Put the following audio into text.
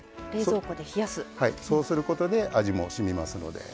そうすることで味もしみますので。